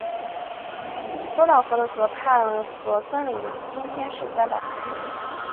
多瑙河的河畔和森林今天是自然保护区。